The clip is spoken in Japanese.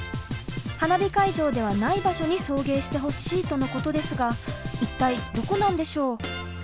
花火会場ではない場所に送迎してほしいとのことですが一体どこなんでしょう？